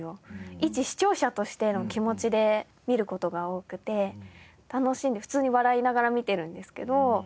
一視聴者としての気持ちで見る事が多くて楽しんで普通に笑いながら見てるんですけど。